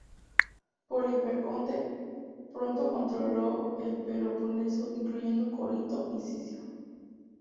Poliperconte pronto controló el Peloponeso, incluyendo Corinto y Sición.